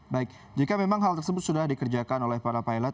baik jika memang hal tersebut sudah dikerjakan oleh para pilot